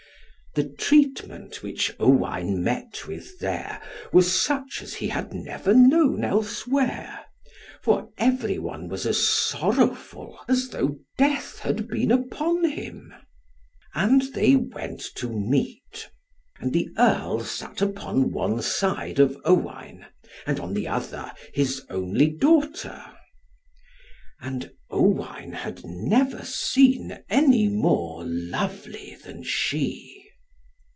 The treatment which Owain met with there, was such as he had never known elsewhere, for every one was as sorrowful, as though death had been upon him. And they went to meat. And the Earl sat upon one side of Owain; and on the other side his only daughter. And Owain had never seen any more lovely than she.